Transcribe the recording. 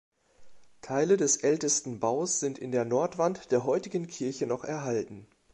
Teile des ältesten Baus sind in der Nordwand der heutigen Kirche noch erhalten.